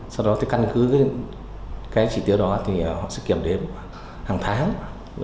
sau đó thì căn cứ cái chỉ tiêu đó thì họ sẽ kiểm đếm hàng tháng